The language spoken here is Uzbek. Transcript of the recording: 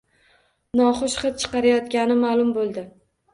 Noxush hid chiqarayotgani ma’lum bo‘ldi.